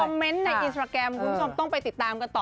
เมนต์ในอินสตราแกรมคุณผู้ชมต้องไปติดตามกันต่อ